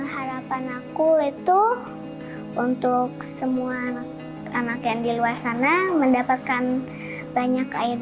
harapan aku itu untuk semua anak yang di luar sana mendapatkan banyak air